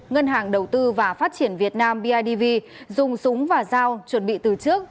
ngân hàng đầu tư và phát triển việt nam bidv dùng súng và dao chuẩn bị từ trước